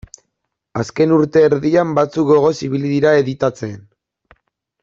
Azken urte erdian batzuk gogoz ibili dira editatzen.